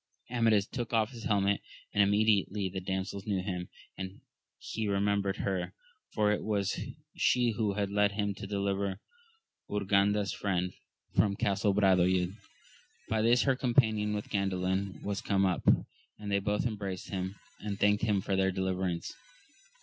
Amadis took off his helmet, and immediately the damsel knew him, and he remembered her, for it was she who had led TiAm lo i^\vNet \^x%^i«CL^^% ^^i^r^d from AMADIS OF GAUL. 127 Castle Bradoyd. By this her companion with Gandalin was come up, and they both embraced him, and thanked him for their deliverance.